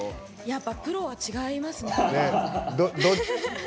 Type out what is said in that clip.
やっぱプロは違いますね。